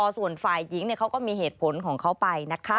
ส่วนฝ่ายหญิงเขาก็มีเหตุผลของเขาไปนะคะ